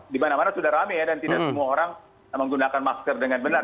di mana mana sudah ramai dan tidak semua orang menggunakan masker